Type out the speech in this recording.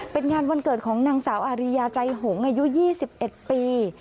เป็นงานวันเกิดของนางสาวอาริยาใจหงษ์อายุยี่สิบเอ็ดปี